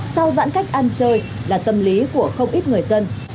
sau giãn cách ăn chơi là tâm lý của không ít người dân